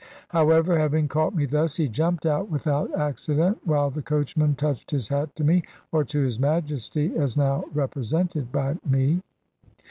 However, having caught me thus, he jumped out without accident, while the coachman touched his hat to me, or to his Majesty as now represented by me.